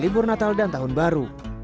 libur natal dan tahun baru